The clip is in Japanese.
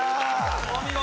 お見事。